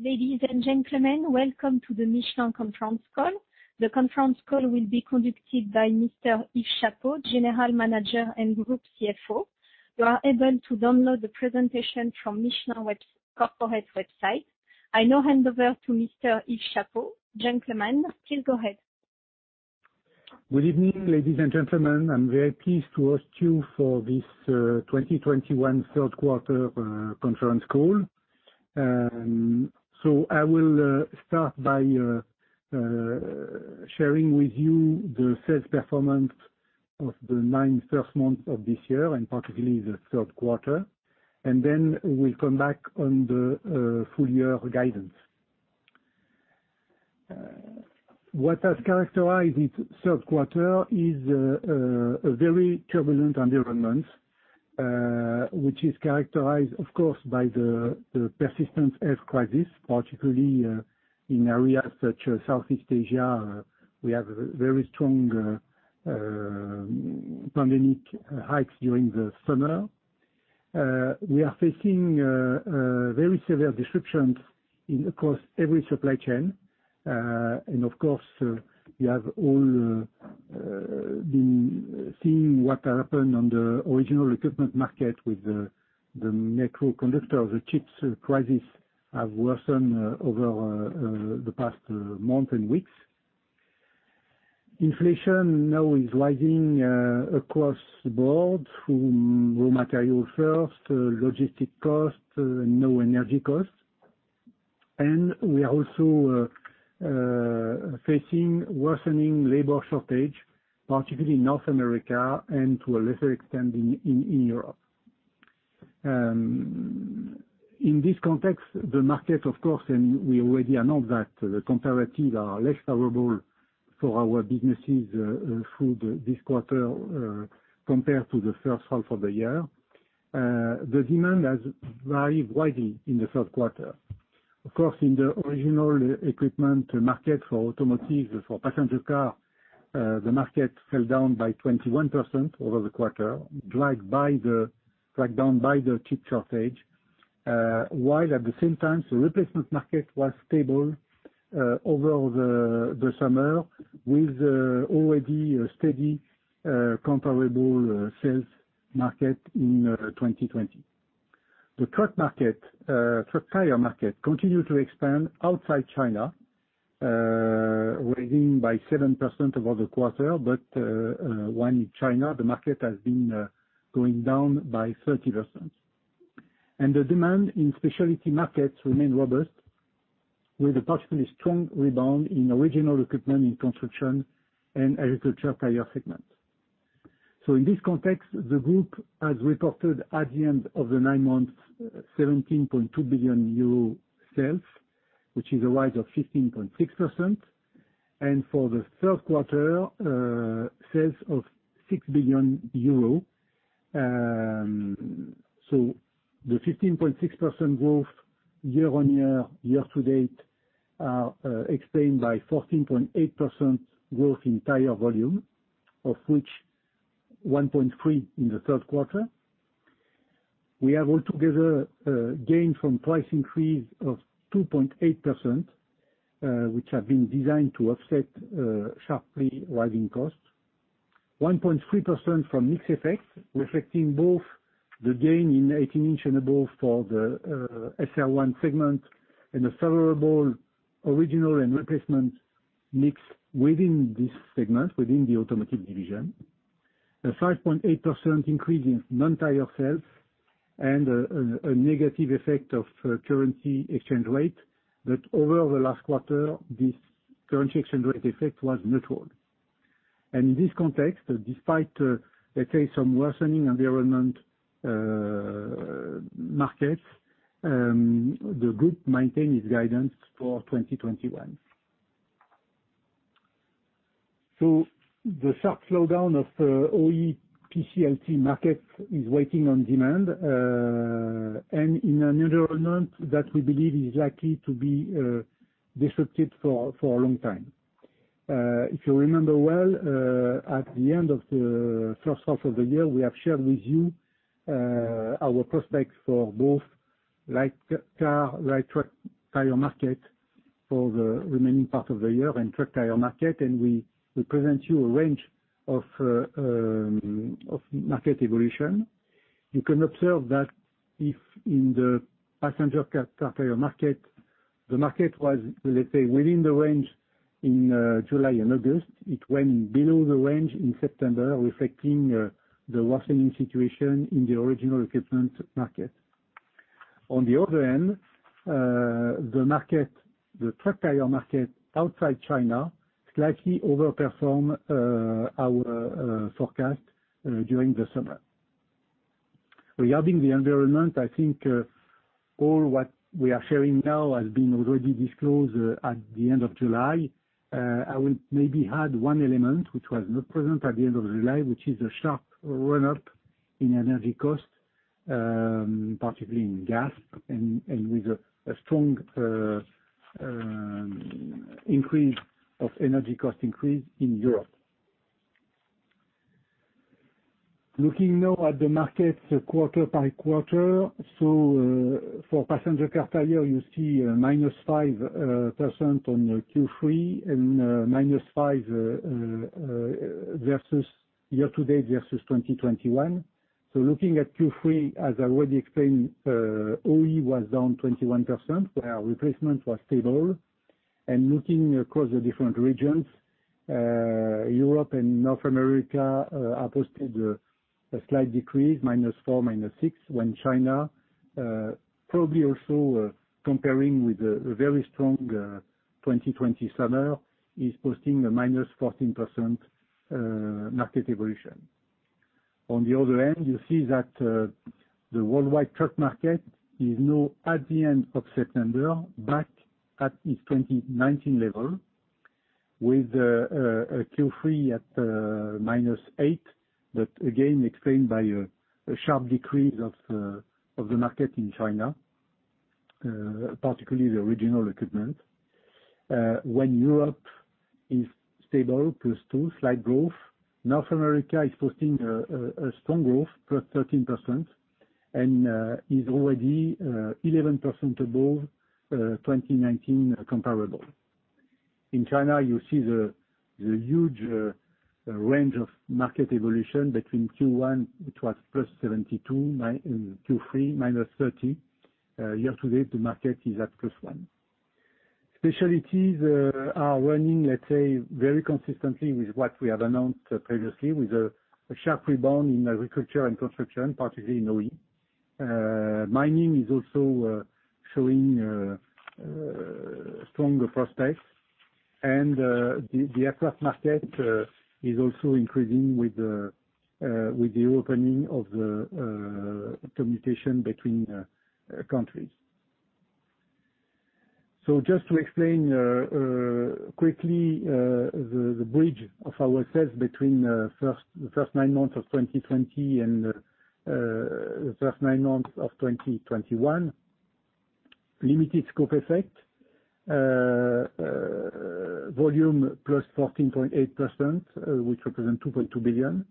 Ladies and gentlemen, welcome to the Michelin conference call. The conference call will be conducted by Mr. Yves Chapot, General Manager and Group CFO. You are able to download the presentation from Michelin corporate website. I now hand over to Mr. Yves Chapot. Gentlemen, please go ahead. Good evening, ladies and gentlemen. I'm very pleased to host you for this 2021 Third Quarter Conference Call. I will start by sharing with you the sales performance of the nine first months of this year, and particularly the third quarter. Then we'll come back on the full year guidance. What has characterized this third quarter is a very turbulent environment, which is characterized, of course, by the persistent health crisis, particularly in areas such as Southeast Asia. We have a very strong pandemic hikes during the summer. We are facing very severe disruptions across every supply chain. Of course, we have all been seeing what happened on the original equipment market with the semiconductor, the chips crisis have worsened over the past month and weeks. Inflation now is rising across the board, from raw material first, logistic cost, and now energy cost. We are also facing worsening labor shortage, particularly in North America and to a lesser extent in Europe. In this context, the market, of course, and we already announced that the comparatives are less favorable for our businesses through this quarter compared to the first half of the year. The demand has varied widely in the third quarter. Of course, in the original equipment market for automotive, for passenger car, the market fell down by 21% over the quarter, dragged down by the chip shortage. At the same time, the replacement market was stable over the summer with already a steady comparable sales market in 2020. The truck tire market continued to expand outside China, raising by 7% over the quarter. While in China, the market has been going down by 30%. The demand in specialty markets remained robust, with a particularly strong rebound in original equipment in construction and agriculture tire segments. In this context, the group has reported at the end of the nine months, 17.2 billion euro sales, which is a rise of 15.6%. For the third quarter, sales of EUR 6 billion. The 15.6% growth year-on-year, year-to-date, explained by 14.8% growth in tire volume, of which 1.3% in the third quarter. We have altogether gained from price increase of 2.8%, which have been designed to offset sharply rising costs, 1.3% from mix effect, reflecting both the gain in 18 inch and above for the SR1 segment and a favorable original and replacement mix within this segment, within the Automotive division. A 5.8% increase in non-tire sales and a negative effect of currency exchange rate. Over the last quarter, this currency exchange rate effect was neutral. In this context, despite, let's say, some worsening environment markets, the group maintain its guidance for 2021. The sharp slowdown of OE PCLT markets is weighing on demand, and in an environment that we believe is likely to be disrupted for a long time. If you remember well, at the end of the first half of the year, we have shared with you our prospects for both light car, light truck tire market for the remaining part of the year and truck tire market, and we present you a range of market evolution. You can observe that if in the passenger car tire market, the market was, let's say, within the range in July and August, it went below the range in September, reflecting the worsening situation in the original equipment market. On the other hand, the truck tire market outside China slightly overperformed our forecast during the summer. Regarding the environment, I think all what we are sharing now has been already disclosed at the end of July. I will maybe add one element which was not present at the end of July, which is a sharp run-up in energy cost, particularly in gas and with a strong increase of energy cost increase in Europe. Looking now at the market quarter by quarter. For passenger car tire, you see -5% on Q3 and -5% year-to-date versus 2021. Looking at Q3, as I already explained, OE was down 21% where replacement was stable. Looking across the different regions, Europe and North America posted a slight decrease, -4%, -6%, when China, probably also comparing with a very strong 2020 summer, is posting a -14% market evolution. On the other end, you see that the worldwide truck market is now at the end of September, back at its 2019 level with a Q3 at -8%. That, again, explained by a sharp decrease of the market in China, particularly the original equipment. Europe is stable, +2%, slight growth. North America is posting a strong growth, +13%, and is already 11% above 2019 comparable. In China, you see the huge range of market evolution between Q1, it was +72%, Q3, -30%. Year to date, the market is at +1%. Specialties are running, let's say, very consistently with what we have announced previously with a sharp rebound in agriculture and construction, particularly in OE. Mining is also showing stronger prospects. The aircraft market is also increasing with the opening of the commutation between countries. Just to explain quickly the bridge of our sales between the first nine months of 2020 and the first nine months of 2021. Limited scope effect. Volume +14.8%, which represent 2.2 billion.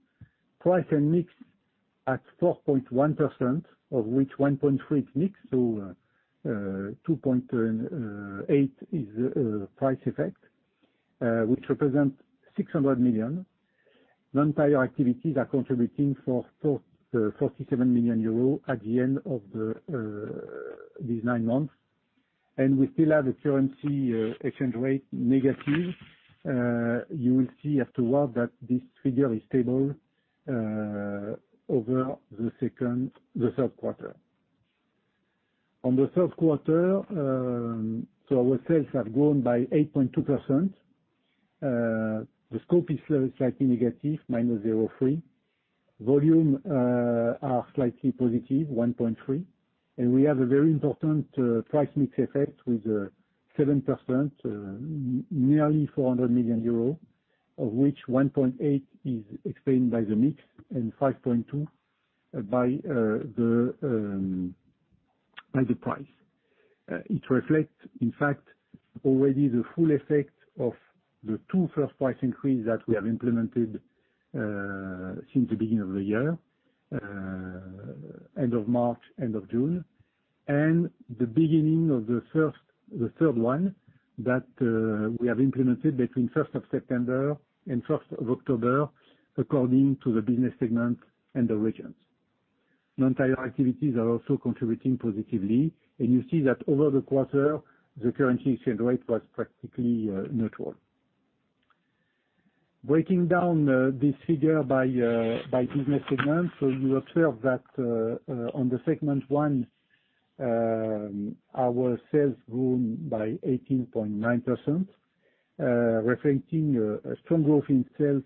Price and mix at 4.1%, of which 1.3% is mix, 2.8% is price effect, which represent 600 million. Non-tire activities are contributing for €47 million at the end of these nine months. We still have a currency exchange rate negative. You will see afterward that this figure is stable over the third quarter. On the third quarter, our sales have grown by 8.2%. The scope is slightly negative, -0.3%. Volume are slightly positive, 1.3%. We have a very important price mix effect with 7%, nearly 400 million euros, of which 1.8% is explained by the mix and 5.2% by the price. It reflects, in fact, already the full effect of the two first price increase that we have implemented since the beginning of the year, end of March, end of June. The beginning of the third one that we have implemented between 1st September and 1st October, according to the business segment and the regions. Non-tire activities are also contributing positively, and you see that over the quarter, the currency exchange rate was practically neutral. Breaking down this figure by business segment. You observe that on the segment one, our sales grew by 18.9%, reflecting a strong growth in sales,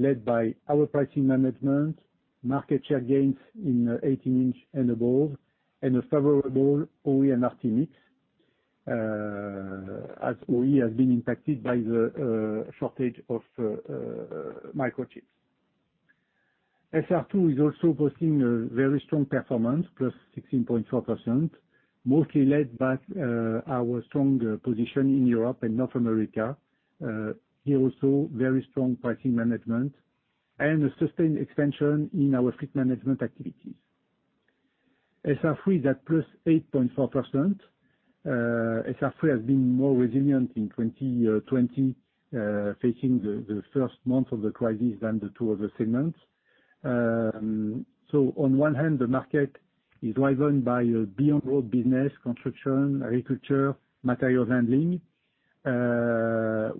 led by our pricing management, market share gains in 18 inch and above, and a favorable OE and RT mix, as OE has been impacted by the shortage of microchips. SR2 is also posting a very strong performance, +16.4%, mostly led by our strong position in Europe and North America. Here also, very strong pricing management and a sustained expansion in our fleet management activities. SR3 is at +8.4%. SR3 has been more resilient in 2020, facing the first month of the crisis than the two other segments. On one hand, the market is driven by beyond road business, construction, agriculture, materials handling,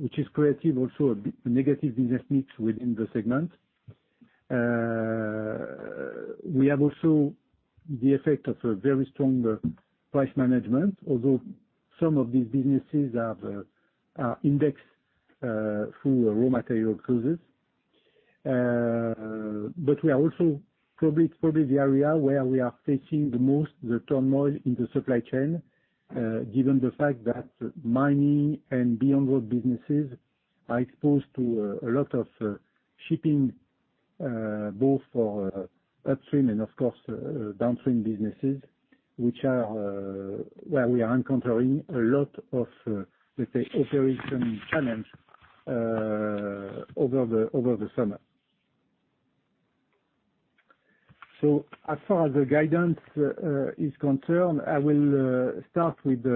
which is creating also a negative business mix within the segment. We have also the effect of a very strong price management. Although some of these businesses are indexed through raw material clauses. We are also-- probably it's the area where we are facing the most, the turmoil in the supply chain, given the fact that mining and beyond road businesses are exposed to a lot of shipping, both for upstream and of course, downstream businesses. Which are where we are encountering a lot of, let's say, operation challenges over the summer. As far as the guidance is concerned, I will start with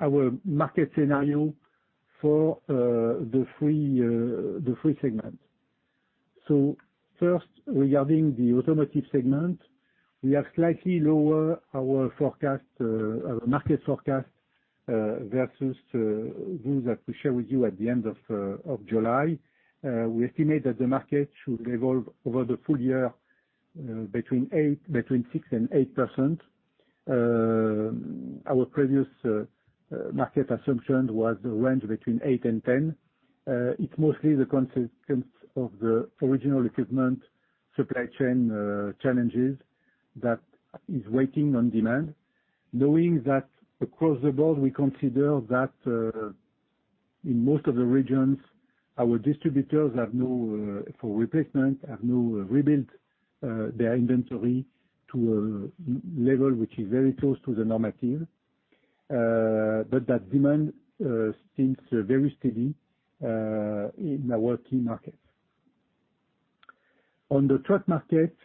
our market scenario for the three segments. First, regarding the Automotive segment, we have slightly lower our market forecast versus those that we share with you at the end of July. We estimate that the market should evolve over the full year between 6% and 8%. Our previous market assumption was a range between 8% and 10%. It's mostly the consequence of the original equipment supply chain challenges that is waiting on demand. Knowing that across the board, we consider that in most of the regions, our distributors, for replacement, have now rebuilt their inventory to a level which is very close to the normative. That demand seems very steady in our key markets. On the truck market,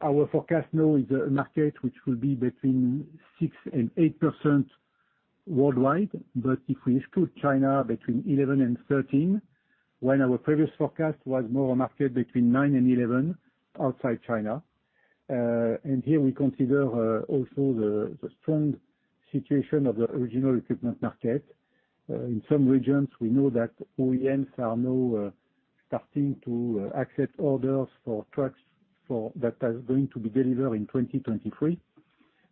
our forecast now is a market which will be between 6%-8% worldwide. If we exclude China, between 11%-13%, when our previous forecast was more a market between 9%-11% outside China. Here we consider also the strong situation of the original equipment market. In some regions, we know that OEMs are now starting to accept orders for trucks that are going to be delivered in 2023.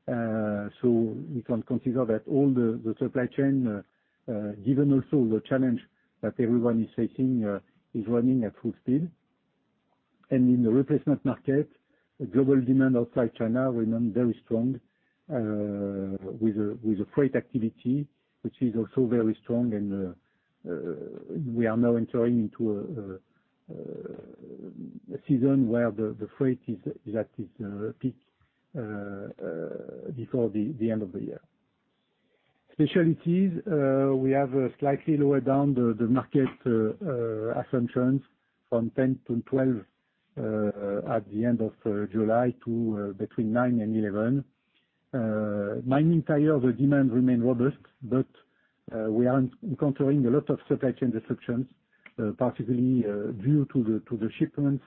We can consider that all the supply chain given also the challenge that everyone is facing is running at full speed. In the replacement market, global demand outside China remain very strong with a freight activity which is also very strong and we are now entering into a season where the freight is at its peak before the end of the year. Specialties, we have slightly lower down the market assumptions from 10%-12% at the end of July to between 9% and 11%. Mining tire demand remain robust, but we are encountering a lot of supply chain disruptions, particularly due to the shipments,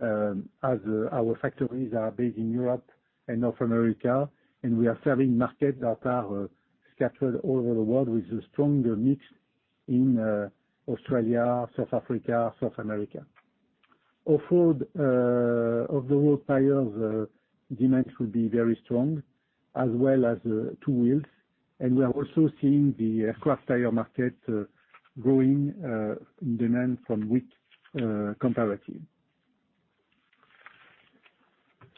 as our factories are based in Europe and North America, and we are serving markets that are scattered all over the world with a stronger mix in Australia, South Africa, South America. Off-road tires demand will be very strong as well as two wheels. We are also seeing the CrossClimate Tire market growing in demand from weak comparative.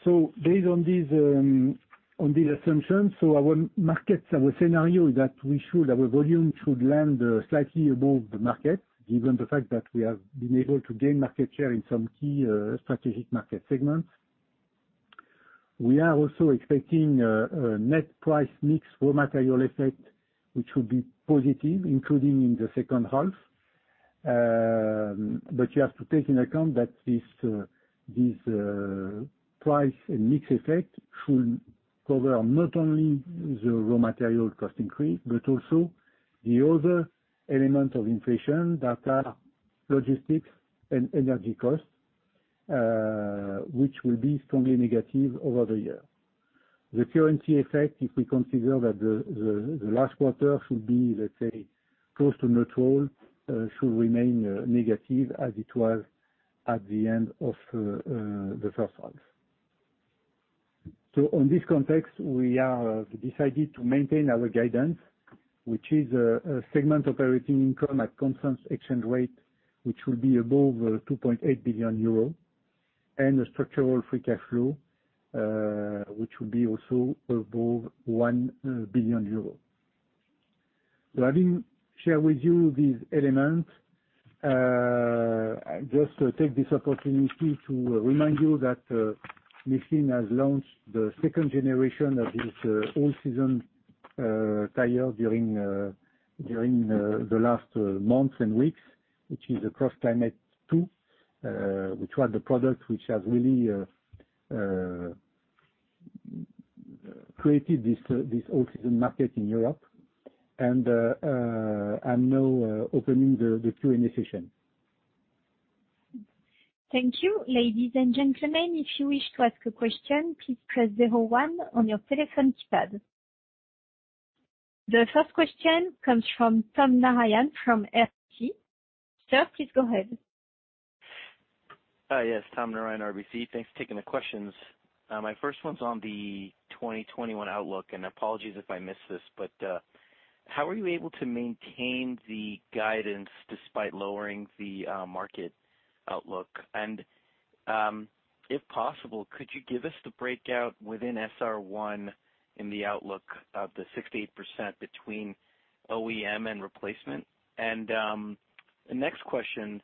Based on these assumptions, our scenario is that our volume should land slightly above the market given the fact that we have been able to gain market share in some key strategic market segments. We are also expecting a net price mix raw material effect which will be positive including in the second half. You have to take into account that this price and mix effect should cover not only the raw material cost increase, but also the other element of inflation that are logistics and energy costs, which will be strongly negative over the year. The currency effect, if we consider that the last quarter should be, let's say, close to neutral, should remain negative as it was at the end of the first half. In this context, we have decided to maintain our guidance, which is a segment operating income at constant exchange rate, which will be above 2.8 billion euros, and a structural free cash flow, which will be also above 1 billion euros. Having shared with you these elements, just take this opportunity to remind you that Michelin has launched the second generation of this all-season tire during the last months and weeks, which is the CrossClimate 2, which was the product which has really created this all-season market in Europe. I am now opening the Q&A session. Thank you. Ladies and gentlemen, if you wish to ask a question, please press zero one on your telephone keypad. The first question comes from Tom Narayan from RBC. Sir, please go ahead. Tom Narayan, RBC. Thanks for taking the questions. My first one's on the 2021 outlook, and apologies if I missed this, but how are you able to maintain the guidance despite lowering the market outlook? If possible, could you give us the breakout within SR1 in the outlook of the 68% between OEM and replacement? The next question.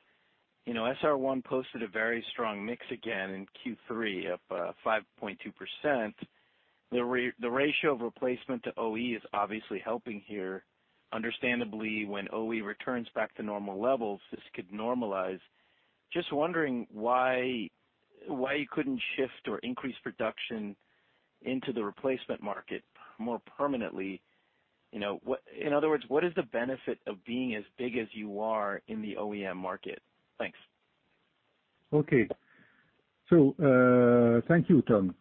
SR1 posted a very strong mix again in Q3, up 5.2%. The ratio of replacement to OE is obviously helping here. Understandably, when OE returns back to normal levels, this could normalize. Just wondering why you couldn't shift or increase production into the replacement market more permanently. In other words, what is the benefit of being as big as you are in the OEM market? Thanks. Thank you, Tom.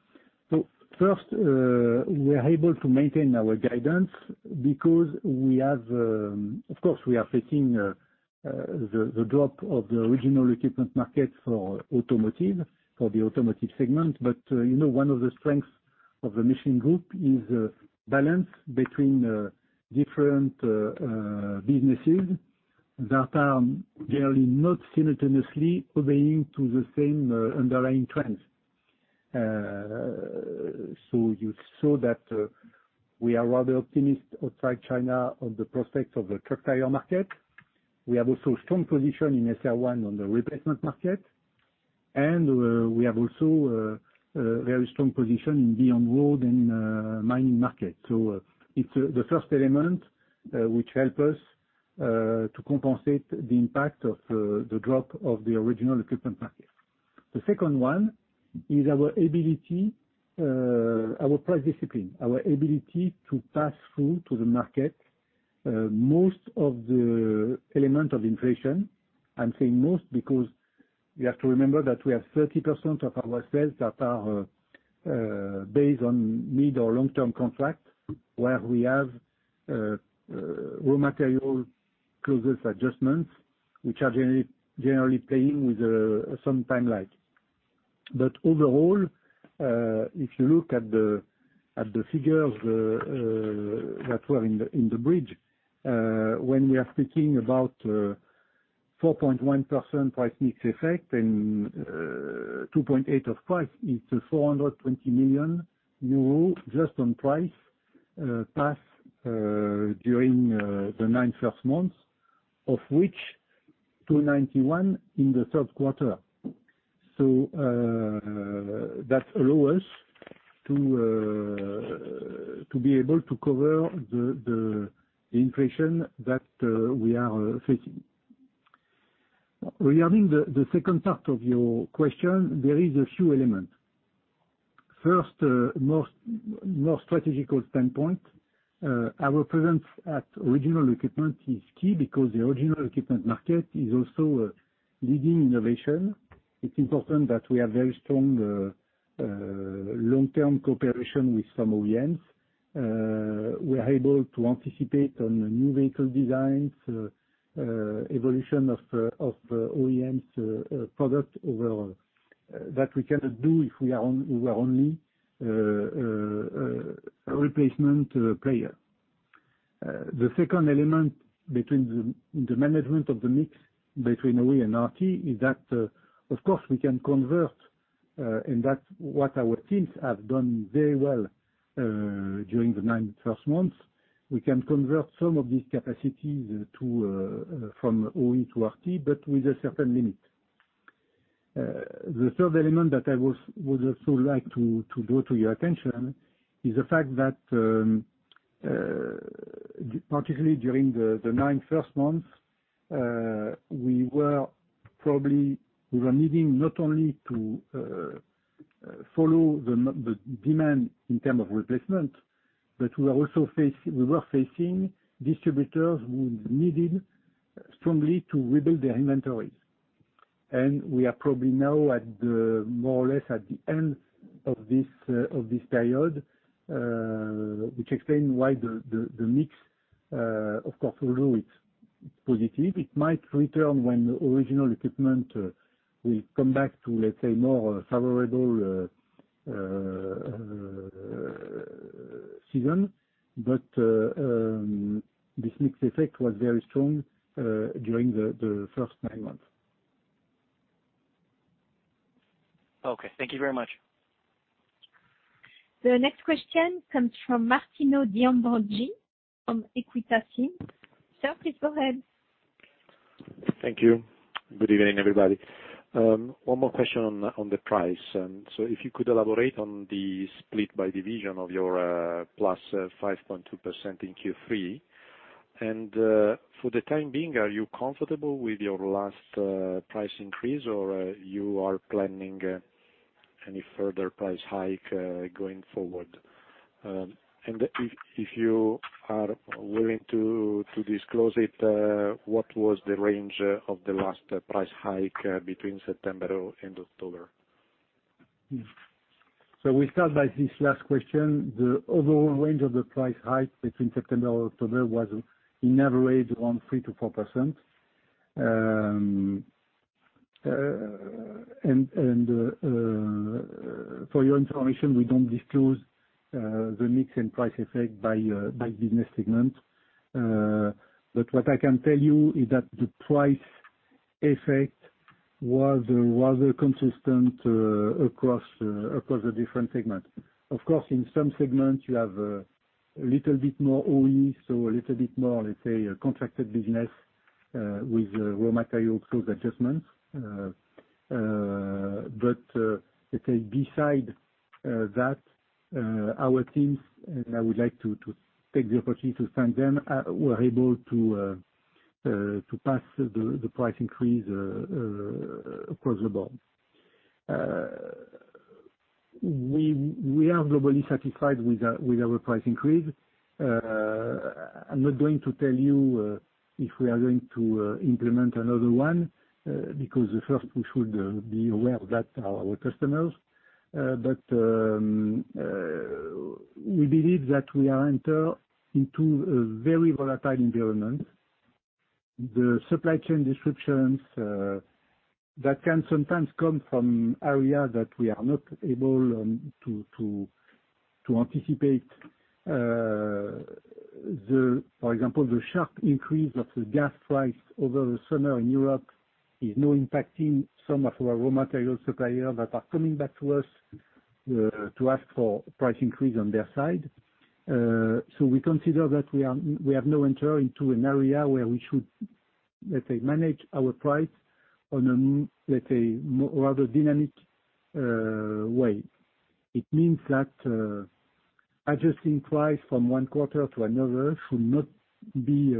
First, we are able to maintain our guidance because, of course, we are facing the drop of the original equipment market for the Automotive segment. One of the strengths of the Michelin Group is balance between different businesses that are generally not simultaneously obeying to the same underlying trends. You saw that we are rather optimist outside China on the prospects of the truck tire market. We have also strong position in SR1 on the replacement market, and we have also a very strong position in beyond road and mining market. It's the first element which help us to compensate the impact of the drop of the original equipment market. The second one is our price discipline, our ability to pass through to the market most of the element of inflation. I'm saying most because you have to remember that we have 30% of our sales that are based on mid or long-term contract, where we have raw material clauses adjustments, which are generally playing with some time lag. Overall, if you look at the figures that were in the bridge, when we are speaking about 4.1% price mix effect and 2.8% of price is to 420 million euro just on price pass during the nine first months, of which 291 million in the third quarter. That allow us to be able to cover the inflation that we are facing. Regarding the second part of your question, there is a few elements. First, more strategical standpoint. Our presence at original equipment is key because the original equipment market is also leading innovation. It's important that we are very strong long-term cooperation with some OEMs. We are able to anticipate on new vehicle designs, evolution of OEMs product overall, that we cannot do if we were only a replacement player. The second element between the management of the mix between OE and RT is that, of course, we can convert, and that is what our teams have done very well during the nine first months. We can convert some of these capacities from OE to RT, but with a certain limit. The third element that I would also like to draw to your attention is the fact that, particularly during the nine first months, we were needing not only to follow the demand in term of replacement, but we were facing distributors who needed strongly to rebuild their inventories. We are probably now at the, more or less at the end of this period, which explain why the mix, of course, although it's positive, it might return when original equipment will come back to, let's say, more favorable season. This mix effect was very strong during the first nine months. Okay. Thank you very much. The next question comes from Martino De Ambroggi from Equita SIM. Sir, please go ahead. Thank you. Good evening, everybody. One more question on the price. If you could elaborate on the split by division of your +5.2% in Q3. For the time being, are you comfortable with your last price increase, or you are planning any further price hike going forward? If you are willing to disclose it, what was the range of the last price hike between September or end of October? We start by this last question. The overall range of the price hike between September or October was in average around 3%-4%. What I can tell you is that the price effect was rather consistent across the different segments. Of course, in some segments you have a little bit more OE, so a little bit more contracted business with raw material price adjustments. Beside that, our teams, and I would like to take the opportunity to thank them, were able to pass the price increase across the board. We are globally satisfied with our price increase. I'm not going to tell you if we are going to implement another one, because first we should be aware of that, our customers. We believe that we have entered into a very volatile environment. The supply chain disruptions that can sometimes come from areas that we are not able to anticipate. For example, the sharp increase of the gas price over the summer in Europe is now impacting some of our raw material suppliers that are coming back to us to ask for price increase on their side. We consider that we have now entered into an area where we should manage our price on a rather dynamic way. It means that adjusting price from one quarter to another should not be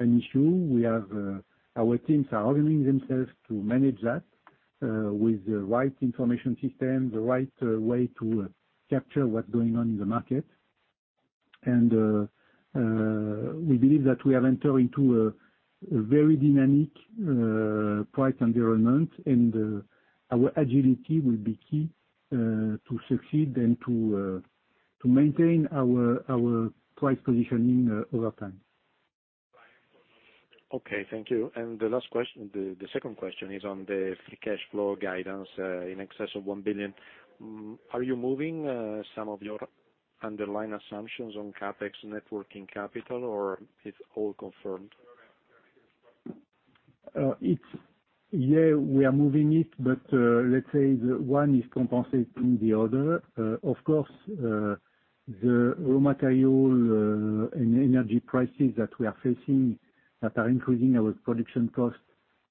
an issue. Our teams are organizing themselves to manage that with the right information system, the right way to capture what's going on in the market. We believe that we have entered into a very dynamic price environment, and our agility will be key to succeed and to maintain our price positioning over time. Okay, thank you. The second question is on the free cash flow guidance in excess of 1 billion. Are you moving some of your underlying assumptions on CapEx net working capital, or it's all confirmed? We are moving it, but let's say one is compensating the other. Of course, the raw material and energy prices that we are facing that are increasing our production costs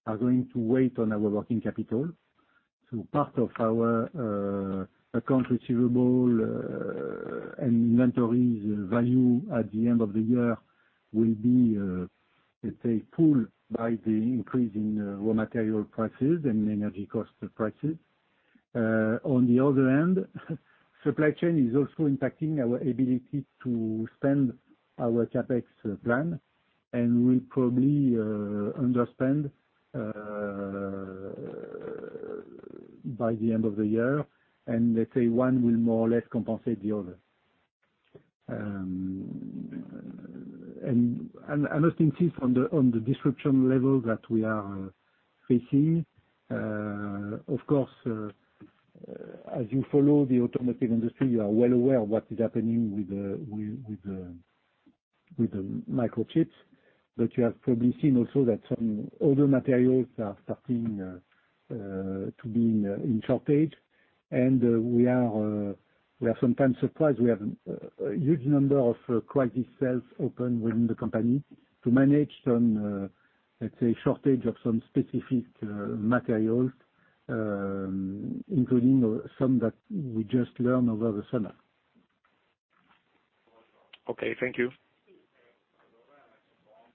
are going to weigh on our working capital. Part of our accounts receivable and inventories value at the end of the year will be pulled by the increase in raw material prices and energy cost prices. On the other hand, supply chain is also impacting our ability to spend our CapEx plan, and we'll probably underspend by the end of the year, and let's say one will more or less compensate the other. I must insist on the disruption level that we are facing. Of course, as you follow the automotive industry, you are well aware what is happening with the semiconductors. You have probably seen also that some other materials are starting to be in shortage, and we are sometimes surprised. We have a huge number of crisis cells open within the company to manage some shortage of some specific materials, including some that we just learned over the summer. Okay, thank you.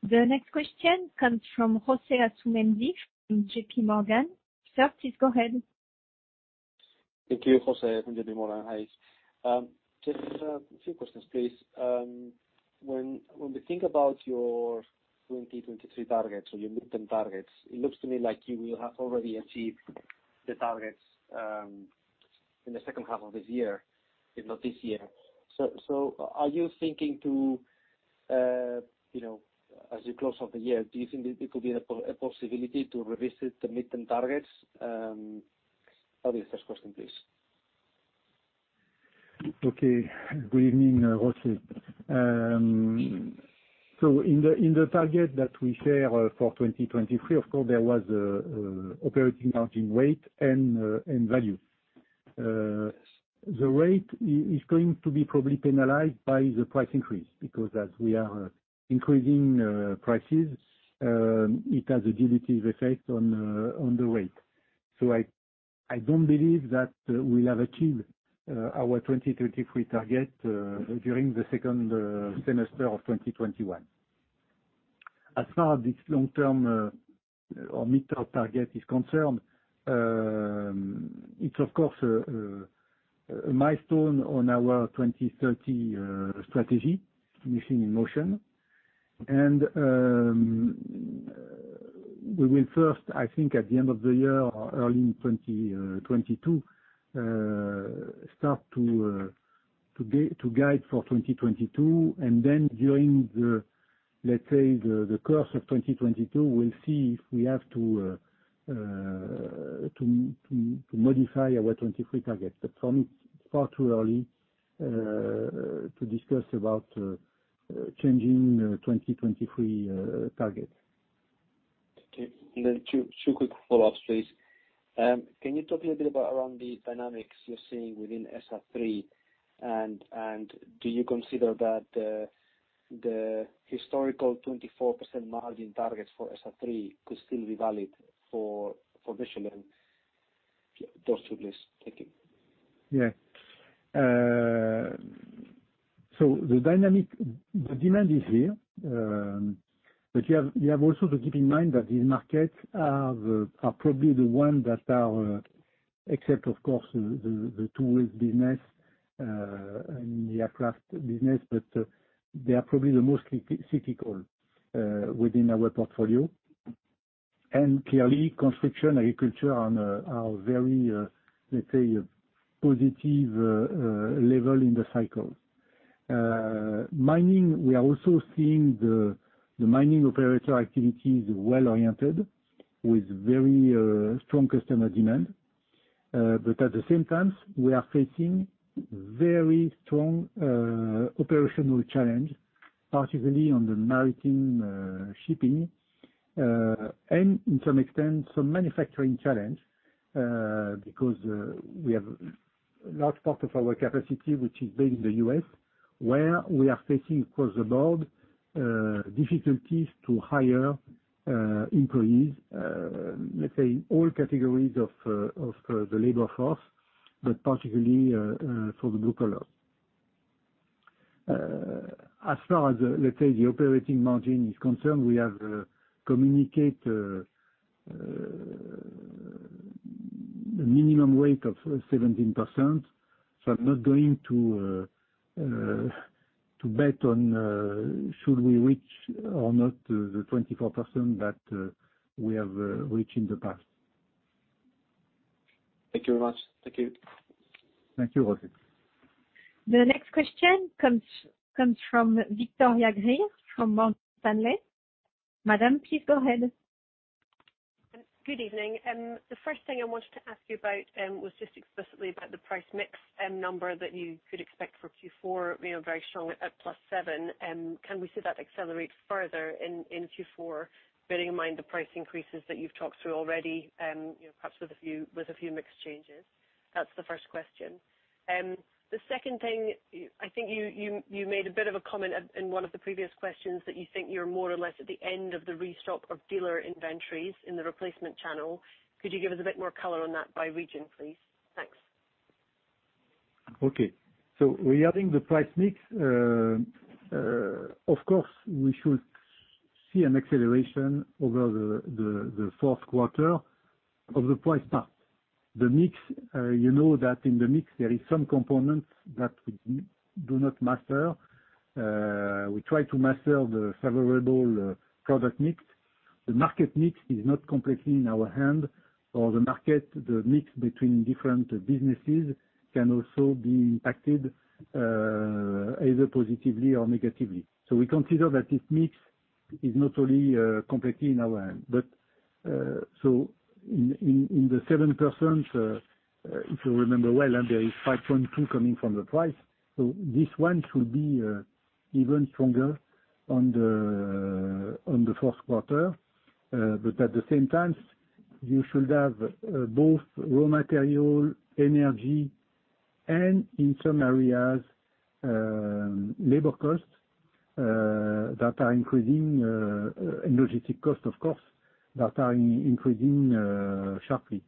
The next question comes from José Asumendi from JPMorgan. Sir, please go ahead. Thank you. José from JPMorgan. Hi. Just a few questions, please. When we think about your 2023 targets or your midterm targets, it looks to me like you will have already achieved the targets in the second half of this year, if not this year. Are you thinking to, as you close off the year, do you think it could be a possibility to revisit the midterm targets? That is first question, please. Okay. Good evening, José. In the target that we share for 2023, of course there was operating margin rate and value. The rate is going to be probably penalized by the price increase, because as we are increasing prices, it has a dilutive effect on the rate. I don't believe that we'll have achieved our 2023 target during the second semester of 2021. As far as its long-term or midterm target is concerned, it's of course a milestone on our 2030 strategy, Michelin in Motion. We will first, I think at the end of the year or early in 2022, start to guide for 2022, and then during the course of 2022, we'll see if we have to modify our 2023 targets. For me, it's far too early to discuss about changing our 2023 target. Okay. Two quick follow-ups, please. Can you talk a little bit about around the dynamics you're seeing within SR3 and do you consider that the historical 24% margin target for SR3 could still be valid for Michelin? Those two please. Thank you. The demand is here, but you have also to keep in mind that these markets are probably the ones that are, except of course, the two-wheel business and the aircraft business, but they are probably the most cyclical within our portfolio. Clearly, construction, agriculture are on a very, let's say, positive level in the cycle. Mining, we are also seeing the mining operator activities well-oriented with very strong customer demand. At the same time, we are facing very strong operational challenge, particularly on the maritime shipping, and to some extent, some manufacturing challenge, because we have large part of our capacity which is based in the U.S., where we are facing across the board, difficulties to hire employees, let's say all categories of the labor force, but particularly for the blue collar. As far as, let's say, the operating margin is concerned, we have communicated a minimum weight of 17%. I'm not going to bet on should we reach or not the 24% that we have reached in the past. Thank you very much. Thank you. Thank you, José Asumendi. The next question comes from Victoria Greer from Morgan Stanley. Madam, please go ahead. Good evening. The first thing I wanted to ask you about, was just explicitly about the price mix number that you could expect for Q4, very strong at +7. Can we see that accelerate further in Q4, bearing in mind the price increases that you've talked through already, perhaps with a few mix changes? That's the first question. The second thing, I think you made a bit of a comment in one of the previous questions that you think you're more or less at the end of the restock of dealer inventories in the replacement channel. Could you give us a bit more color on that by region, please? Thanks. Regarding the price mix, of course, we should see an acceleration over the fourth quarter of the price part. The mix, you know that in the mix, there is some components that we do not master. We try to master the favorable product mix. The market mix is not completely in our hand or the market, the mix between different businesses can also be impacted, either positively or negatively. We consider that this mix is not only completely in our hand. In the 7%, if you remember well, and there is 5.2% coming from the price. This one should be even stronger on the fourth quarter. At the same time, you should have both raw material, energy and in some areas, labor costs that are increasing, logistic cost of course, that are increasing sharply.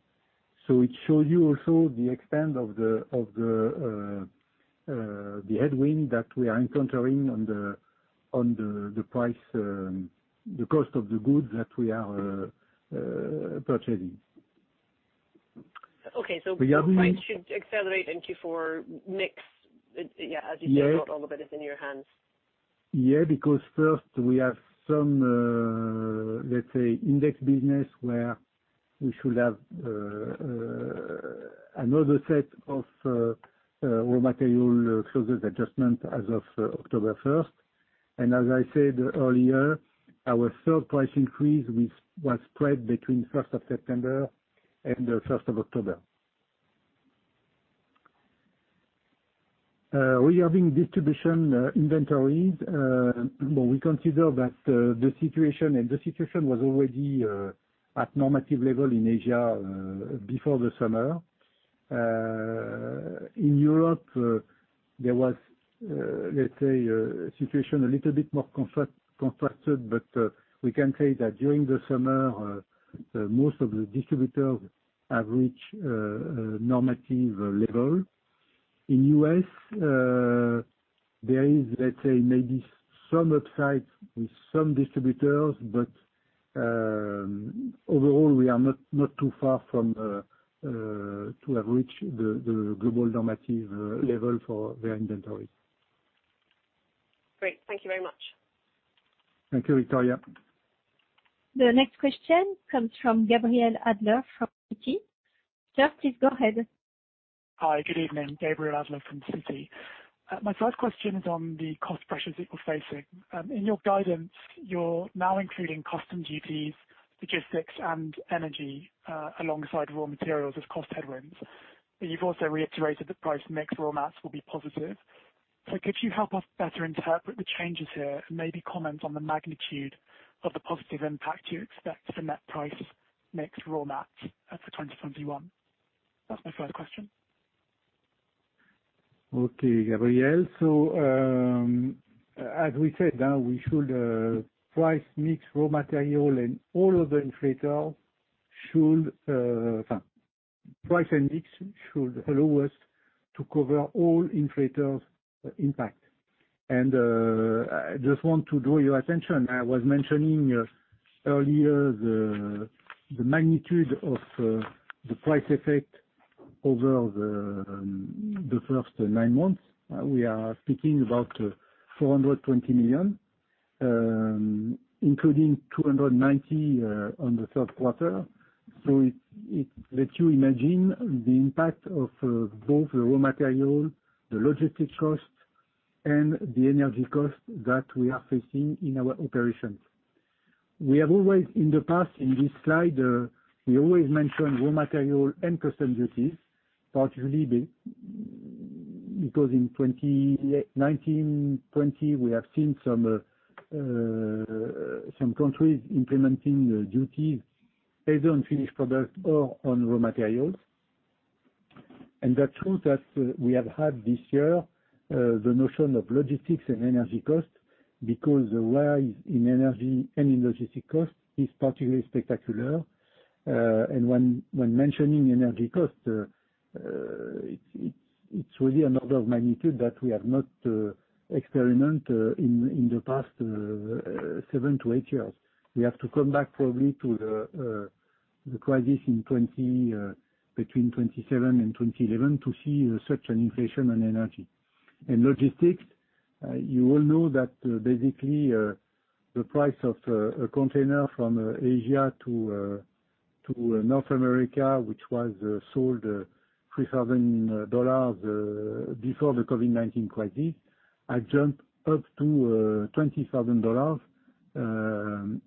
It shows you also the extent of the headwind that we are encountering on the cost of the goods that we are purchasing. Okay. Price should accelerate in Q4 mix, as you said, not all of it is in your hands. Yeah. First we have some, let's say index business where we should have another set of raw material clause adjustment as of October 1st. As I said earlier, our third price increase, was spread between 1st September and the 1st October. Regarding distribution inventories, we consider that the situation was already at normative level in Asia before the summer. In Europe, there was, let's say, a situation a little bit more contracted. We can say that during the summer, most of the distributors have reached normative level. In U.S., there is, let's say, maybe some upside with some distributors. Overall, we are not too far from to have reached the global normative level for their inventories. Great. Thank you very much. Thank you, Victoria. The next question comes from Gabriel Adler from Citi. Gab, please go ahead. Hi, good evening. Gabriel Adler from Citi. My first question is on the cost pressures that you're facing. In your guidance, you're now including custom duties, logistics, and energy, alongside raw materials as cost headwinds. You've also reiterated that price mix raw mats will be positive. Could you help us better interpret the changes here? Maybe comment on the magnitude of the positive impact you expect the net price mix raw mats at the 2021. That's my first question. Okay, Gabriel. As we said, we should price mix raw material and all of the inflator. Fine. Price and mix should allow us to cover all inflator's impact. I just want to draw your attention, I was mentioning earlier the magnitude of the price effect over the first nine months. We are speaking about 420 million, including 290 million on the third quarter. It lets you imagine the impact of both the raw material, the logistic cost, and the energy cost that we are facing in our operations. We have always, in the past, in this slide, we always mention raw material and custom duties, particularly because in 2019, 2020, we have seen some countries implementing duties either on finished product or on raw materials. The truth that we have had this year, the notion of logistics and energy costs, because the rise in energy and in logistic cost is particularly spectacular. When mentioning energy costs, it's really an order of magnitude that we have not experienced in the past 7-8 years. We have to come back probably to the crisis between 2007 and 2011 to see such an inflation on energy. In logistics, you all know that basically, the price of a container from Asia to North America, which was sold $3,000 before the COVID-19 crisis, had jumped up to $20,000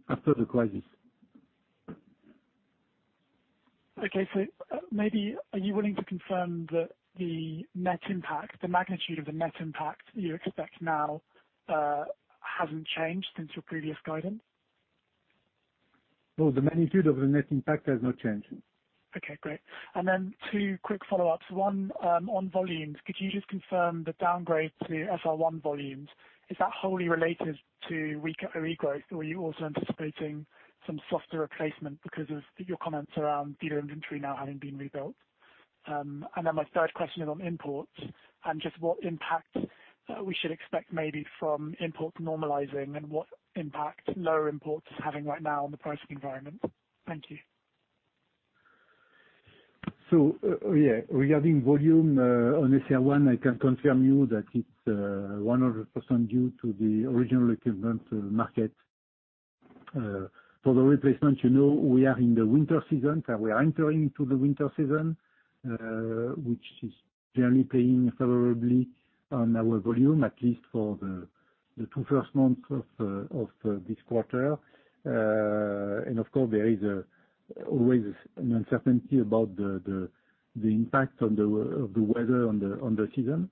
after the crisis. Okay. Maybe are you willing to confirm that the magnitude of the net impact you expect now hasn't changed since your previous guidance? No, the magnitude of the net impact has not changed. Okay, great. Then two quick follow-ups. One, on volumes. Could you just confirm the downgrade to SR1 volumes? Is that wholly related to regrowth? Were you also anticipating some softer replacement because of your comments around dealer inventory now having been rebuilt? Then my 3rd question is on imports, and just what impact we should expect maybe from imports normalizing and what impact lower imports is having right now on the pricing environment. Thank you. Yeah. Regarding volume on SR1, I can confirm you that it's 100% due to the original equipment market. For the replacement, you know we are in the winter season, or we are entering into the winter season, which is generally playing favorably on our volume, at least for the two first months of this quarter. Of course, there is always an uncertainty about the impact of the weather on the season.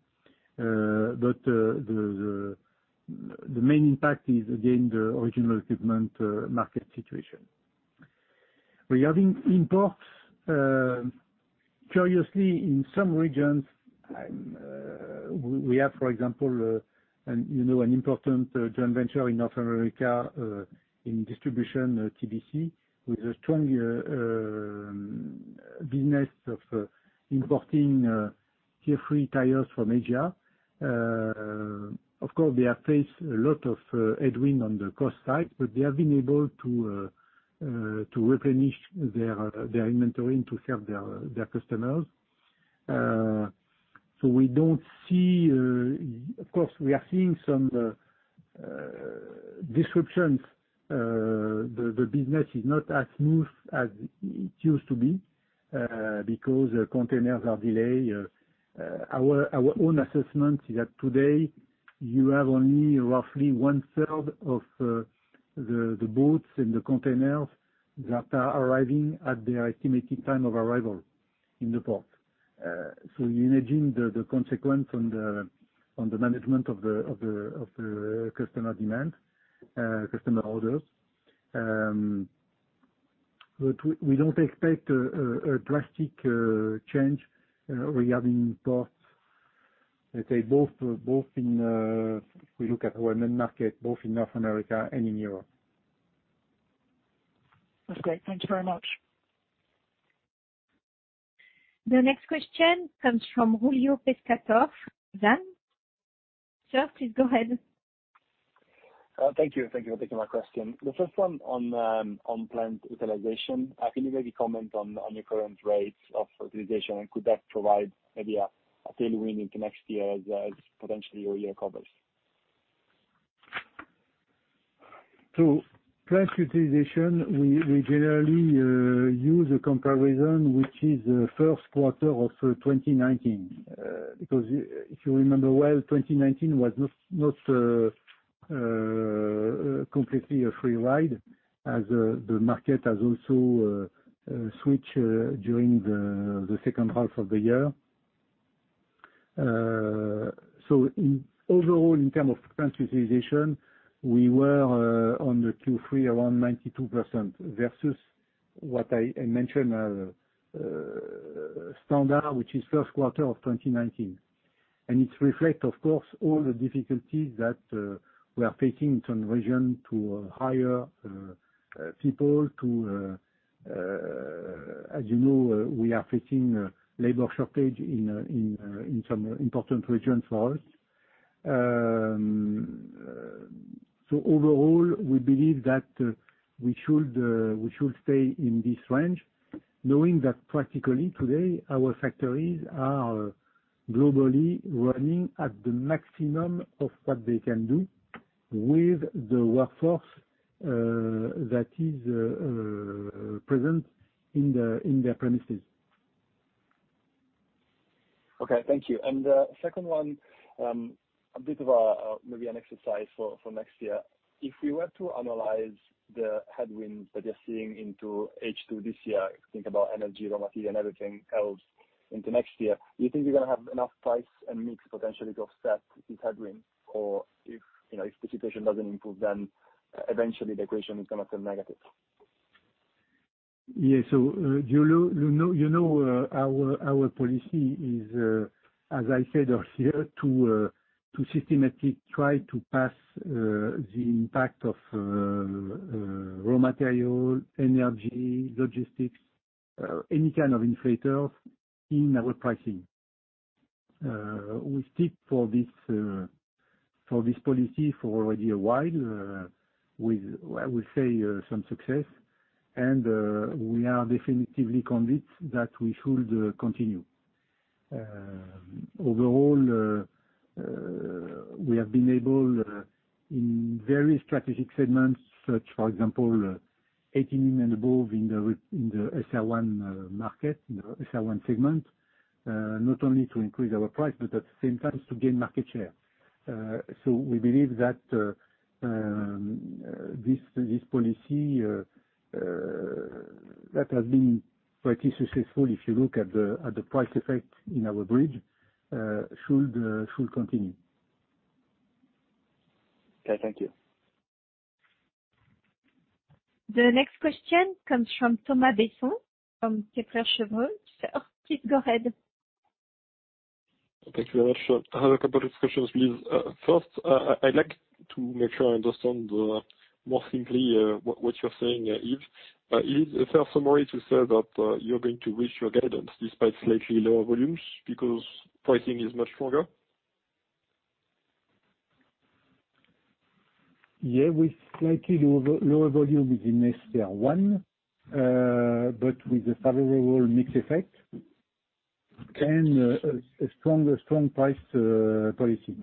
The main impact is, again, the original equipment market situation. Regarding imports, curiously, in some regions, we have, for example, an important joint venture in North America, in distribution, TBC, with a strong business of importing Tier 3 tires from Asia. Of course, they have faced a lot of headwind on the cost side, but they have been able to replenish their inventory to help their customers. Of course, we are seeing some disruptions. The business is not as smooth as it used to be, because containers are delayed. Our own assessment is that today you have only roughly 1/3 of the boats and the containers that are arriving at their estimated time of arrival in the port. You imagine the consequence on the management of the customer demand, customer orders. We don't expect a drastic change regarding ports, let's say, if we look at our end market, both in North America and in Europe. That's great. Thank you very much. The next question comes from Giulio Pescatore, Exane. Sir, please go ahead. Thank you. Thank you for taking my question. The first one on plant utilization. Can you maybe comment on your current rates of utilization, and could that provide maybe a tailwind into next year as potentially earlier covers? Plant utilization, we generally use a comparison which is first quarter of 2019. If you remember well, 2019 was not completely a free ride as the market has also switched during the 2nd half of the year. Overall, in terms of plant utilization, we were on the Q3 around 92% versus what I mentioned, standard, which is first quarter of 2019. It reflects, of course, all the difficulties that we are facing in some regions to hire people. As you know, we are facing labor shortage in some important regions for us. Overall, we believe that we should stay in this range, knowing that practically today, our factories are globally running at the maximum of what they can do with the workforce that is present in their premises. Okay. Thank you. Second one, a bit of a maybe an exercise for next year. If we were to analyze the headwinds that you're seeing into H2 this year, think about energy, raw material, and everything else into next year, do you think you're going to have enough price and mix potentially to offset this headwind? If the situation doesn't improve, then eventually the equation is going to turn negative. Yes. You know our policy is, as I said earlier, to systematically try to pass the impact of raw material, energy, logistics, any kind of inflators in our pricing. We stick for this policy for already a while, with I would say some success. We are definitively convinced that we should continue. Overall, we have been able, in various strategic segments, such for example, 18 and above in the SR1 market, in the SR1 segment, not only to increase our price, but at the same time, to gain market share. We believe that this policy that has been pretty successful, if you look at the price effect in our bridge, should continue. Okay. Thank you. The next question comes from Thomas Besson from Kepler Cheuvreux. Sir, please go ahead. Thank you very much. I have a couple of questions, please. First, I'd like to make sure I understand more simply what you're saying, Yves. Is it a fair summary to say that you're going to reach your guidance despite slightly lower volumes because pricing is much stronger? With slightly lower volumes in SR1, but with a favorable mix effect and a strong price policy.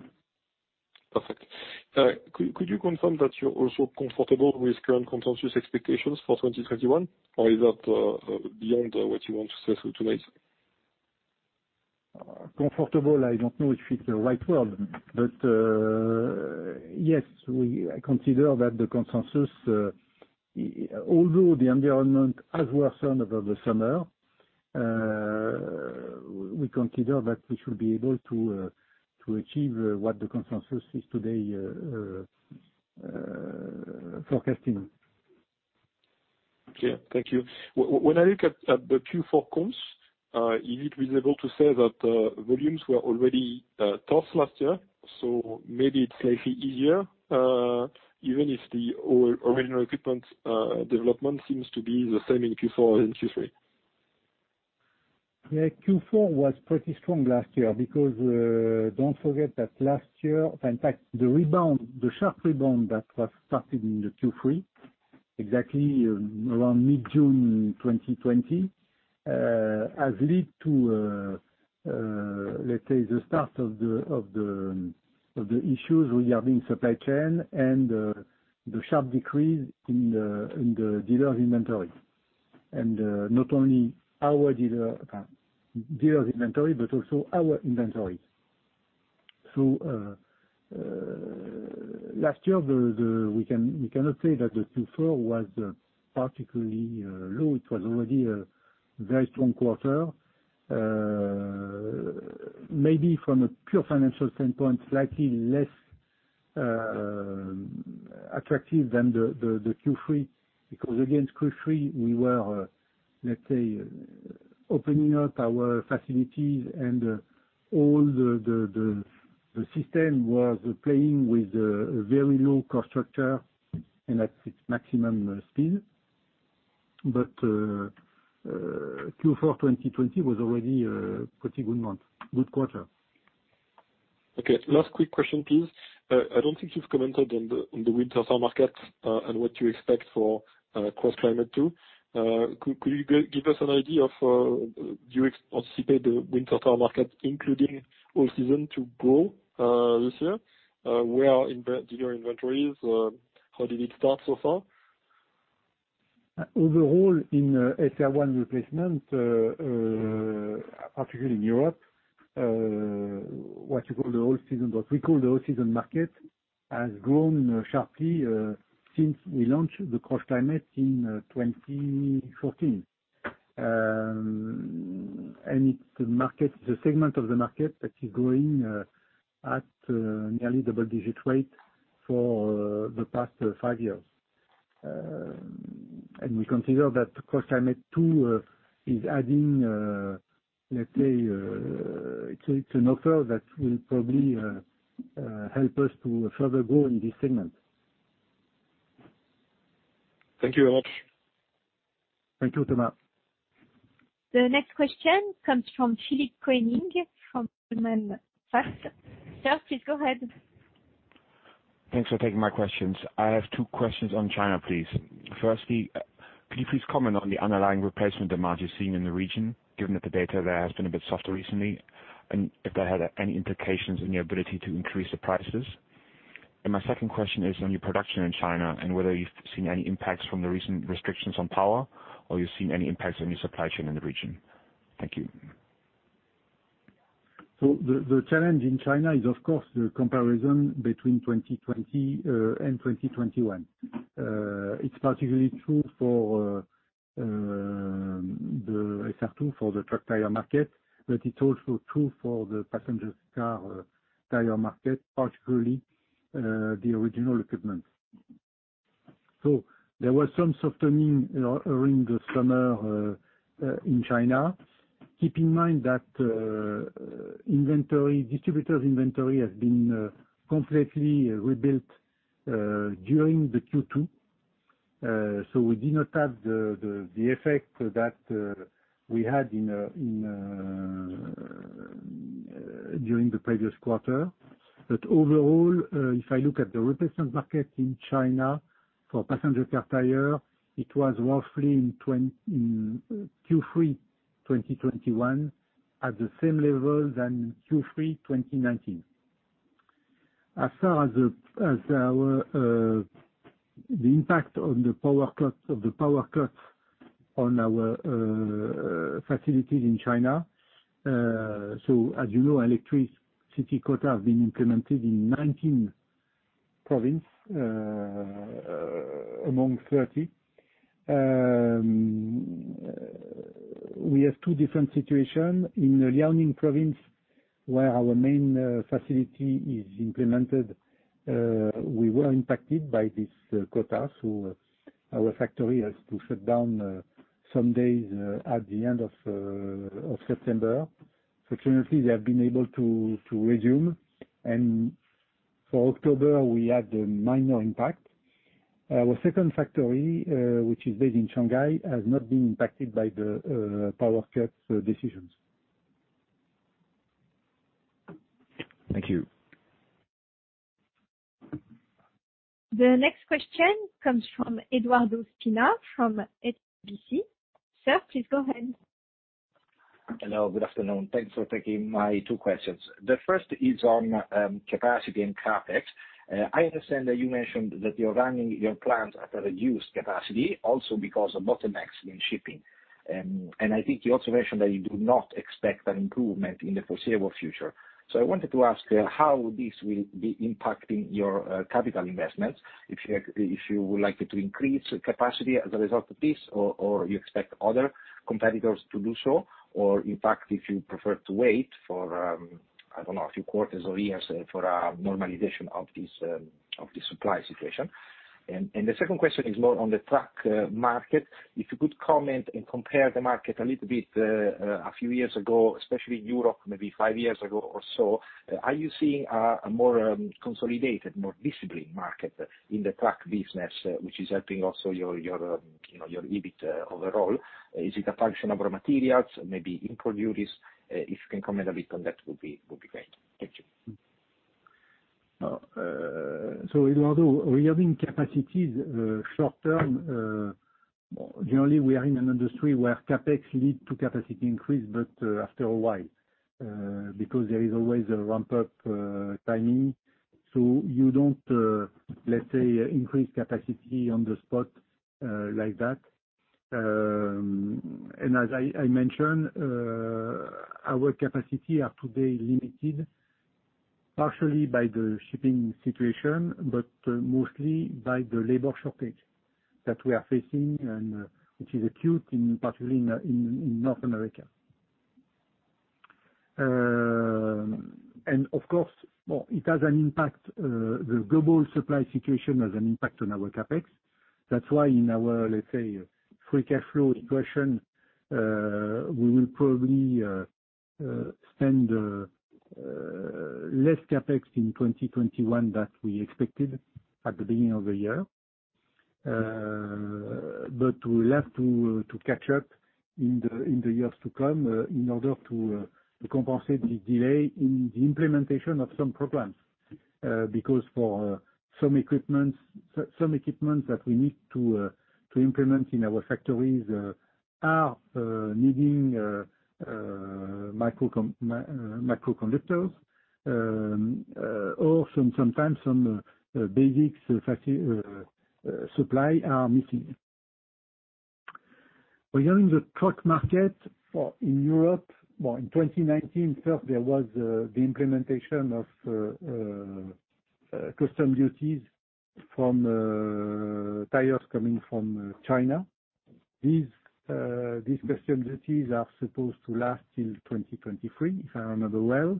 Perfect. Could you confirm that you're also comfortable with current consensus expectations for 2021? Is that beyond what you want to say today? Comfortable, I don't know if it's the right word. Yes, we consider that the consensus, although the environment has worsened over the summer, we consider that we should be able to achieve what the consensus is today forecasting. Okay. Thank you. When I look at the Q4 comps, is it reasonable to say that volumes were already tough last year, so maybe it's slightly easier, even if the original equipment development seems to be the same in Q4 as in Q3? Q4 was pretty strong last year because, don't forget that last year, in fact, the sharp rebound that was started in the Q3, exactly around mid-June 2020, has led to, let's say, the start of the issues regarding supply chain and the sharp decrease in the dealer's inventory. Not only dealer's inventory, but also our inventory. Last year, we cannot say that the Q4 was particularly low. It was already a very strong quarter. Maybe from a pure financial standpoint, slightly less attractive than the Q3. Against Q3, we were, let's say, opening up our facilities and all the system was playing with a very low cost structure and at its maximum speed. Q4 2020 was already a pretty good quarter. Okay. Last quick question, please. I don't think you've commented on the winter tire market and what you expect for CrossClimate2. Could you give us an idea of do you anticipate the winter tire market, including all season, to grow this year? Where are dealer inventories? How did it start so far? Overall, in SR1 replacement, particularly in Europe, what you call the all season, what we call the all season market, has grown sharply since we launched the CrossClimate in 2014. It's the segment of the market that is growing at nearly double-digit rate for the past 5 years. We consider that the CrossClimate 2 is adding, let's say, it's an offer that will probably help us to further grow in this segment. Thank you very much. Thank you, Thomas. The next question comes from Philipp Koenig from Goldman Sachs. Sir, please go ahead. Thanks for taking my questions. I have two questions on China, please. Firstly, could you please comment on the underlying replacement demand you're seeing in the region, given that the data there has been a bit softer recently, and if that had any implications on your ability to increase the prices? My second question is on your production in China, and whether you've seen any impacts from the recent restrictions on power, or you're seeing any impacts on your supply chain in the region. Thank you. The challenge in China is of course the comparison between 2020 and 2021. It's particularly true for the SR2, for the truck tire market, but it's also true for the passenger car tire market, particularly the original equipment. There was some softening during the summer in China. Keep in mind that distributor's inventory has been completely rebuilt during the Q2. We did not have the effect that we had during the previous quarter. Overall, if I look at the replacement market in China for passenger car tire, it was roughly in Q3 2021 at the same level than Q3 2019. As far as the impact of the power cuts on our facilities in China, as you know, electricity quota have been implemented in 19 provinces, among 30. We have two different situations. In the Liaoning province, where our main facility is implemented, we were impacted by this quota, so our factory has to shut down some days at the end of September. Fortunately, they have been able to resume, and for October, we had a minor impact. Our second factory, which is based in Shanghai, has not been impacted by the power cuts decisions. Thank you. The next question comes from Edoardo Spina from HSBC. Sir, please go ahead. Hello, good afternoon. Thanks for taking my two questions. The first is on capacity and CapEx. I understand that you mentioned that you're running your plants at a reduced capacity also because of bottlenecks in shipping. I think you also mentioned that you do not expect an improvement in the foreseeable future. I wanted to ask how this will be impacting your capital investments, if you would like to increase capacity as a result of this, or you expect other competitors to do so, or in fact, if you prefer to wait for, I don't know, a few quarters or years for a normalization of this supply situation. The second question is more on the truck market. If you could comment and compare the market a little bit, a few years ago, especially Europe, maybe 5 years ago or so, are you seeing a more consolidated, more disciplined market in the truck business, which is helping also your EBIT overall? Is it a function of raw materials, maybe input duties? If you can comment a bit on that, would be great. Thank you. Edoardo, regarding capacities short-term, generally we are in an industry where CapEx lead to capacity increase, but after a while. There is always a ramp-up timing. You don't, let's say, increase capacity on the spot like that. As I mentioned, our capacity are today limited partially by the shipping situation, but mostly by the labor shortage that we are facing and which is acute in particularly in North America. Of course it has an impact, the global supply situation has an impact on our CapEx. That's why in our, let's say, free cash flow equation, we will probably spend less CapEx in 2021 than we expected at the beginning of the year. We will have to catch up in the years to come in order to compensate the delay in the implementation of some programs. For some equipment that we need to implement in our factories are needing semiconductors. Sometimes some basic supply are missing. Regarding the truck market in Europe, in 2019, first there was the implementation of customs duties from tires coming from China. These customs duties are supposed to last till 2023, if I remember well.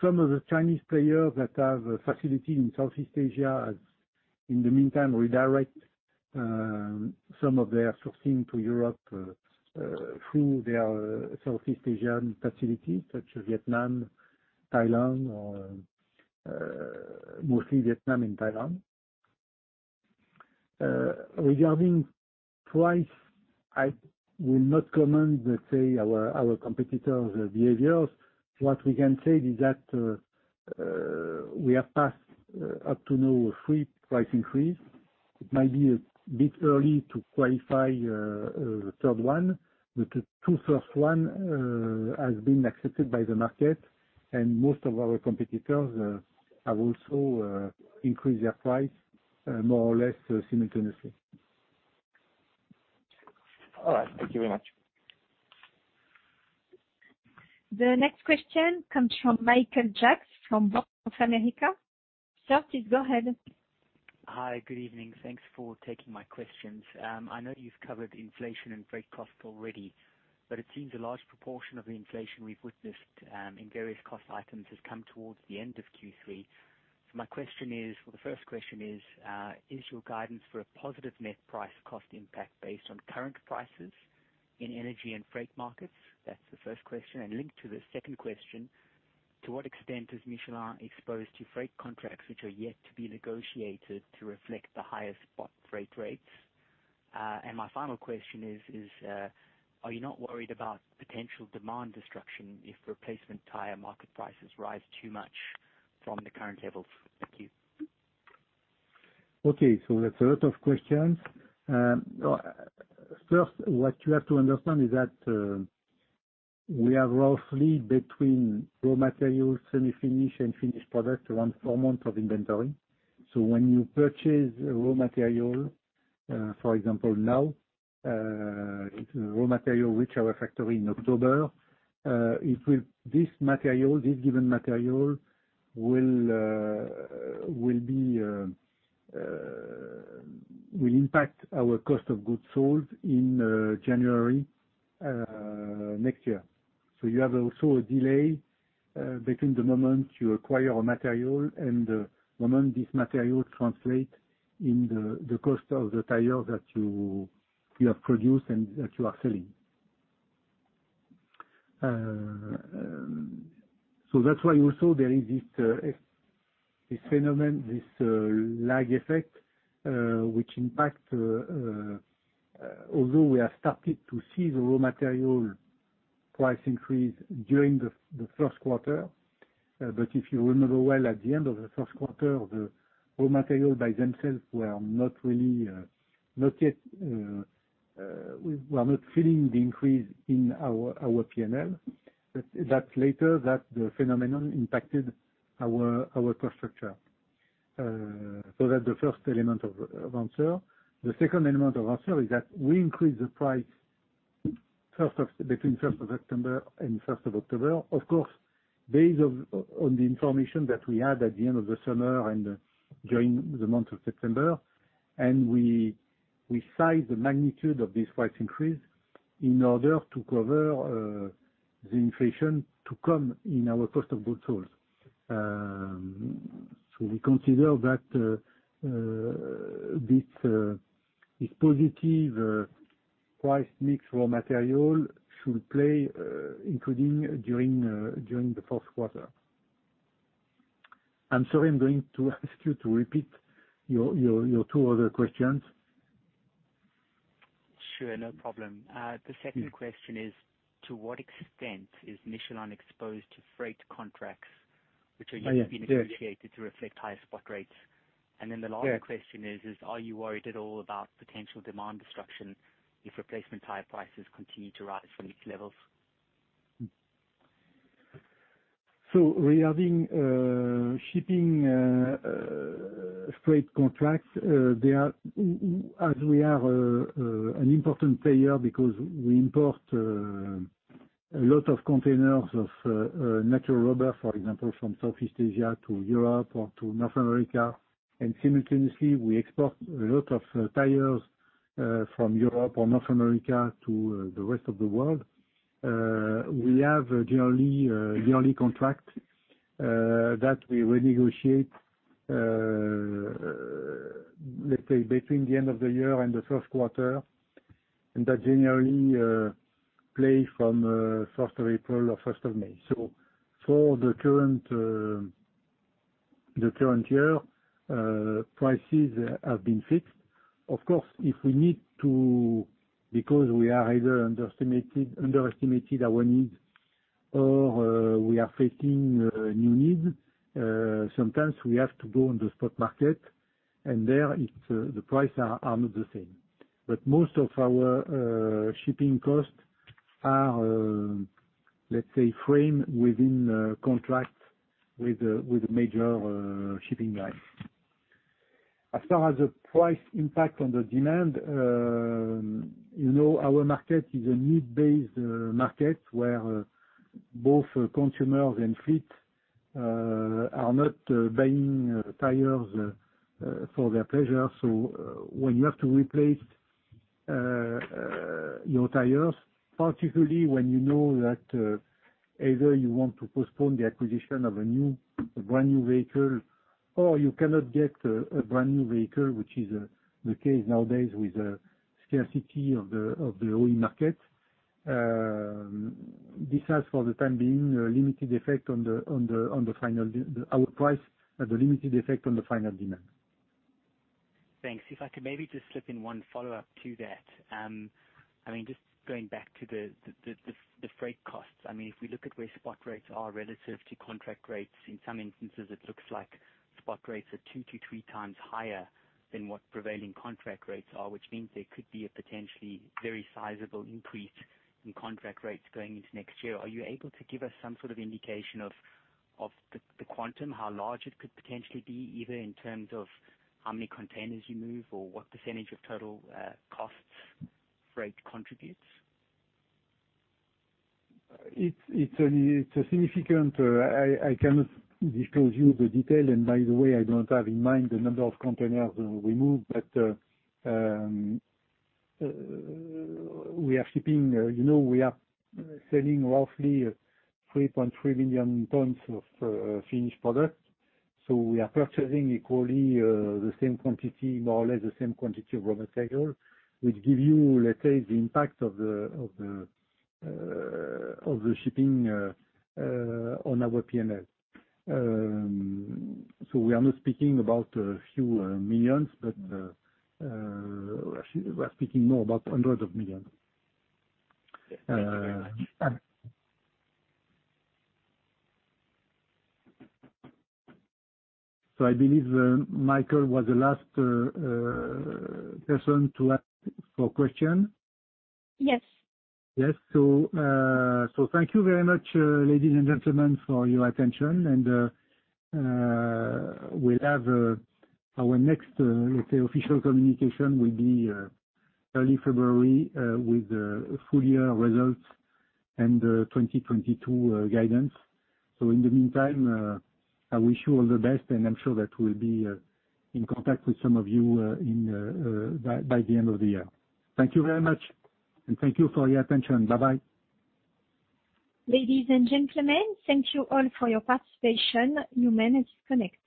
Some of the Chinese players that have a facility in Southeast Asia, in the meantime, redirect some of their sourcing to Europe through their Southeast Asian facilities such as Vietnam, Thailand, or mostly Vietnam and Thailand. Regarding price, I will not comment, let's say, our competitors' behaviors. What we can say is that we have passed up to now three price increase. It might be a bit early to qualify the third one. The two first one has been accepted by the market. Most of our competitors have also increased their price more or less simultaneously. All right. Thank you very much. The next question comes from Michael Jacks from Bank of America. Sir, please go ahead. Hi. Good evening. Thanks for taking my questions. I know you've covered inflation and freight cost already, it seems a large proportion of the inflation we've witnessed in various cost items has come towards the end of Q3. The first question is your guidance for a positive net price cost impact based on current prices in energy and freight markets? That's the first question, linked to the second question, to what extent is Michelin exposed to freight contracts which are yet to be negotiated to reflect the highest spot freight rates? My final question is, are you not worried about potential demand destruction if replacement tire market prices rise too much from the current levels? Thank you. Okay. That's a lot of questions. First, what you have to understand is that we are roughly between raw materials, semi-finished and finished product, one full month of inventory. When you purchase raw material, for example, now, raw material, which our factory in October this given material will impact our cost of goods sold in January next year. You have also a delay between the moment you acquire a material and the moment this material translate in the cost of the tire that you have produced and that you are selling. That's why also there is this phenomenon, this lag effect, which impact although we have started to see the raw material price increase during the first quarter. If you remember well at the end of the first quarter, the raw material by themselves we are not feeling the increase in our P&L. That later that phenomenon impacted our cost structure. That's the first element of answer. The second element of answer is that we increase the price between 1st September and 1st October, of course, based on the information that we had at the end of the summer and during the month of September. We size the magnitude of this price increase in order to cover the inflation to come in our cost of goods sold. We consider that this positive price mix raw material should play including during the fourth quarter. I'm sorry I'm going to ask you to repeat your two other questions. Sure. No problem. The second question is, to what extent is Michelin exposed to freight contracts which are yet to be negotiated to reflect higher spot rates? The last question is, are you worried at all about potential demand destruction if replacement tire prices continue to rise from these levels? Regarding shipping freight contracts as we are an important player because we import a lot of containers of natural rubber, for example, from Southeast Asia to Europe or to North America. Simultaneously, we export a lot of tires from Europe or North America to the rest of the world. We have a yearly contract that we renegotiate let's say between the end of the year and the first quarter, and that generally play from 1st April or 1st May. For the current year, prices have been fixed. Of course, if we need to, because we are either underestimated our needs or we are facing new needs, sometimes we have to go on the spot market. And there, the price are not the same. Most of our shipping costs are, let's say, framed within contract with the major shipping lines. As far as the price impact on the demand, our market is a need-based market, where both consumers and fleet are not buying tires for their pleasure. When you have to replace your tires, particularly when you know that either you want to postpone the acquisition of a brand-new vehicle, or you cannot get a brand-new vehicle, which is the case nowadays with the scarcity of the OE market. This has, for the time being, a limited effect on our price, has a limited effect on the final demand. Thanks. If I could maybe just slip in one follow-up to that. Just going back to the freight costs. If we look at where spot rates are relative to contract rates, in some instances, it looks like spot rates are 2x-3x higher than what prevailing contract rates are, which means there could be a potentially very sizable increase in contract rates going into next year. Are you able to give us some sort of indication of the quantum, how large it could potentially be, either in terms of how many containers you move or what percentage of total costs freight contributes? It's significant. I cannot disclose you the detail. By the way, I don't have in mind the number of containers we move, but we are shipping. We are selling roughly 3.3 million tons of finished product. We are purchasing equally the same quantity, more or less the same quantity of raw material, which give you, let's say, the impact of the shipping on our P&L. We are not speaking about a few million, but we're speaking more about hundreds of million. Thank you very much. I believe Michael was the last person to ask for question. Yes. Yes. Thank you very much, ladies and gentlemen, for your attention. Our next, let's say, official communication will be early February with full year results and 2022 guidance. In the meantime, I wish you all the best, and I'm sure that we'll be in contact with some of you by the end of the year. Thank you very much, and thank you for your attention. Bye-bye. Ladies and gentlemen, thank you all for your participation. You may disconnect.